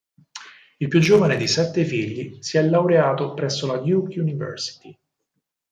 Il più giovane di sette figli, si è laureato presso la Duke University.